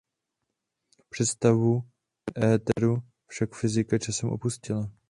Představu éteru však fyzika časem opustila.